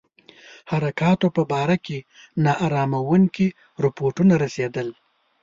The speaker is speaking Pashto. حرکاتو په باره کې نا اراموونکي رپوټونه رسېدل.